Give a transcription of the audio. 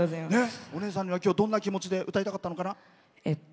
お姉さんには、きょうどんな気持ちで歌いたかったのかな？